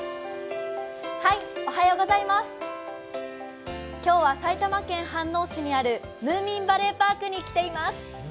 おはようございます、今日は埼玉県飯能市にあるムーミンバレーパークに来ています。